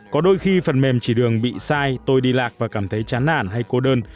có đôi khi phần mềm chỉ đường bị sai tôi đi lạc và cảm thấy chán nản hay cô đơn